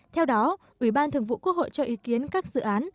theo đó ủy ban thường vụ quốc hội cho ý kiến các dự án